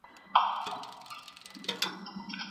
او پر ځای د بلبلکو مرغکیو